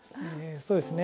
そうですね。